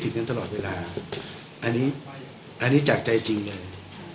อย่างนั้นตลอดเวลาอันอันจากใจจริงเลยนะครับพี่ท่องเมื่อนี้